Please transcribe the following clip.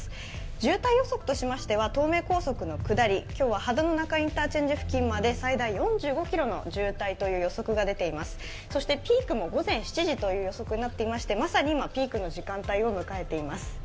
渋滞予測としましては東名高速の下り、今日は秦野中井インターチェンジ付近まで最大４５ｋｍの渋滞という予測も出ています、そしてピークも午前７時という予測になっていまして、まさに今、ピークの時間帯を迎えています。